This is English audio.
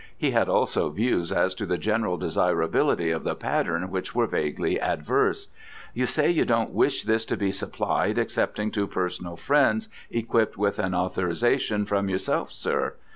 He had also views as to the general desirability of the pattern which were vaguely adverse. "You say you don't wish this to be supplied excepting to personal friends equipped with a authorization from yourself, sir.